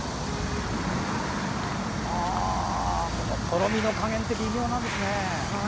とろみの加減って微妙なんですね。